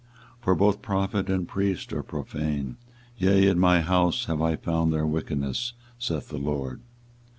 24:023:011 For both prophet and priest are profane; yea, in my house have I found their wickedness, saith the LORD.